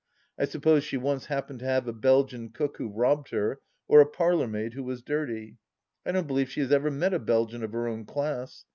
I sup pose she once happened to have a Belgian cook who robbed her, or a parlourmaid who was dirty. I don't believe she has ever met a Belgian of her own class.